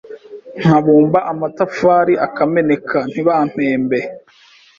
nkabumba amatafari akameneka ntibampembe